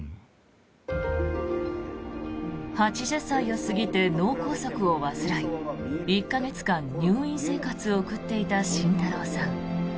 ８０歳を過ぎて脳梗塞を患い１か月間、入院生活を送っていた慎太郎さん。